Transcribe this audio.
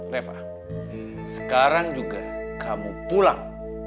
leva sekarang juga kamu pulang